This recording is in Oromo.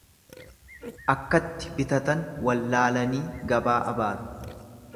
Akkatti bitatan wallalanii gabaa abaaru.